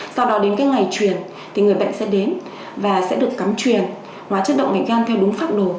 do đó đến cái ngày truyền thì người bệnh sẽ đến và sẽ được cắm truyền hóa chất động ngành gan theo đúng pháp đồ